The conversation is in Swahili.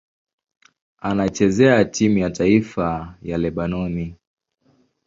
Anachezea timu ya taifa ya Lebanoni.